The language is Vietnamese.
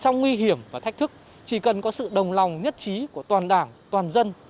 trong nguy hiểm và thách thức chỉ cần có sự đồng lòng nhất trí của toàn đảng toàn dân